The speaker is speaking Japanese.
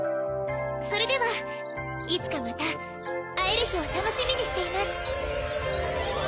それではいつかまたあえるひをたのしみにしています。